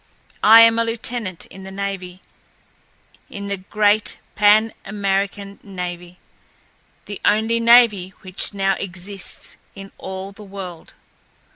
I am a lieutenant in the navy—in the great Pan American navy, the only navy which now exists in all the world.